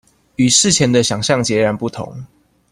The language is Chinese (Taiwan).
與事前的想像截然不同